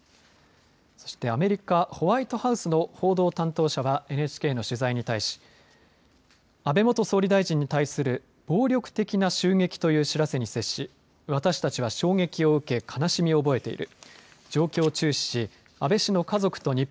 そして、アメリカホワイトハウスの報道担当者はＮＨＫの取材に対し安倍元総理大臣に対する暴力的な襲撃という知らせに接し私たちは衝撃を受け悲しみを覚えている。